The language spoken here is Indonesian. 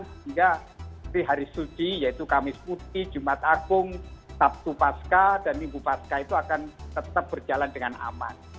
sehingga di hari suci yaitu kamis putih jumat agung sabtu pasca dan minggu pasca itu akan tetap berjalan dengan aman